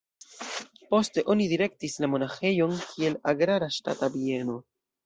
Poste oni direktis la monaĥejon kiel agrara ŝtata bieno.